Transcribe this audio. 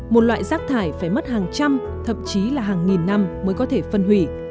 một loại rác thải phải mất hàng trăm thậm chí là hàng nghìn năm mới có thể phân hủy